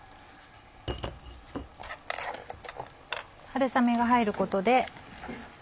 春雨が入ることで。